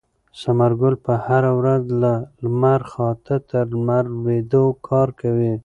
ثمرګل به هره ورځ له لمر خاته تر لمر لوېدو کار کوي.